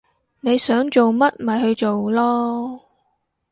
你想做乜咪去做囉